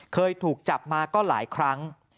เคยถูกจับมาก็หลายครั้ง